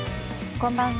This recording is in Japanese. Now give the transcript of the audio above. こんばんは。